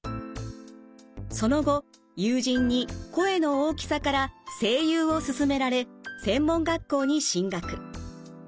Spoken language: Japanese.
その後友人に声の大きさから声優を勧められ専門学校に進学。